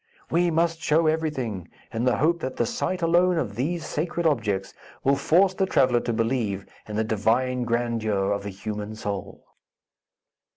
"We must show everything, in the hope that the sight alone of these sacred objects will force the traveller to believe in the divine grandeur of the human soul."